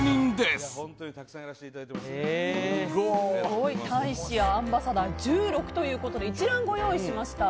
すごい、大使やアンバサダー１６ということで一覧ご用意しました。